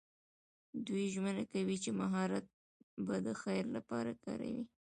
دوی ژمنه کوي چې مهارت به د خیر لپاره کاروي.